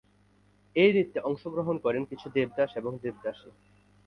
এই নৃত্যে অংশগ্রহণ করেন কিছু দেবদাস এবং দেবদাসী।